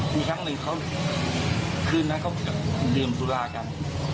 มีครั้งหนึ่งเขาคืนนั้นเขาแบบดื่มสุรากัน